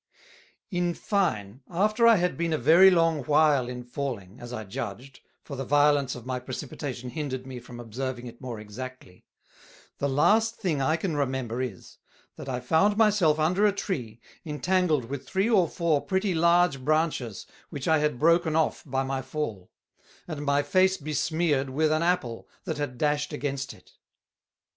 _ In fine, after I had been a very long while in falling, as I judged, for the violence of my Precipitation hindered me from observing it more exactly: The last thing I can remember is, that I found my self under a Tree, entangled with three or four pretty large Branches which I had broken off by my fall; and my face besmeared with an Apple, that had dashed against it.